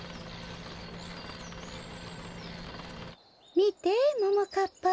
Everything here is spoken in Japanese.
みてももかっぱ。